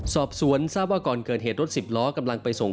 สอบสวนทราบว่าก่อนเกิดเหตุรถสิบล้อกำลังไปส่ง